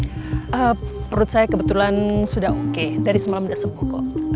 menurut saya kebetulan sudah oke dari semalam sudah sembuh kok